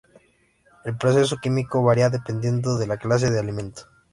El proceso químico varía dependiendo de la clase de alimento.